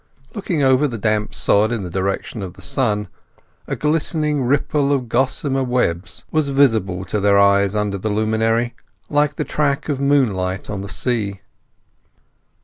Looking over the damp sod in the direction of the sun, a glistening ripple of gossamer webs was visible to their eyes under the luminary, like the track of moonlight on the sea.